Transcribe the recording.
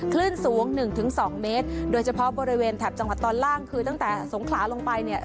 คลื่นสูงหนึ่งถึงสองเมตรโดยเฉพาะบริเวณแถบจังหวัดตอนล่างคือตั้งแต่สงขลาลงไปเนี่ย